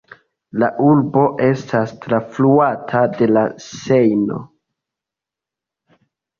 La urbo estas trafluata de la Sejno.